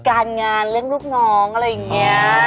การงานเรื่องลูกน้องอะไรอย่างนี้